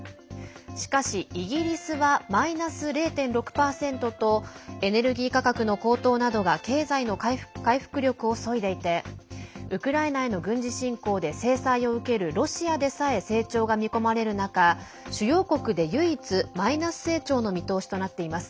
しかし、イギリスはマイナス０．６％とエネルギー価格の高騰などが経済の回復力をそいでいてウクライナへの軍事侵攻で制裁を受けるロシアでさえ成長が見込まれる中主要国で唯一マイナス成長の見通しとなっています。